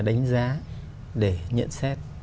đánh giá để nhận xét